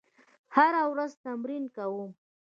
هره ورځ تمرین کوم.